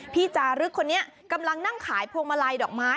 จารึกคนนี้กำลังนั่งขายพวงมาลัยดอกไม้